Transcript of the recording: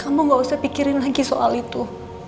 kamu gak usah pikirin lagi soal itu